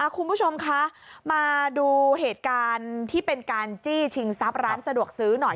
คุณผู้ชมคะมาดูเหตุการณ์ที่เป็นการจี้ชิงทรัพย์ร้านสะดวกซื้อหน่อย